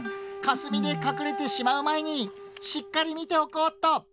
かすみでかくれてしまうまえにしっかりみておこうっと。